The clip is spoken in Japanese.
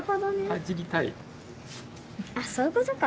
あそういうことか。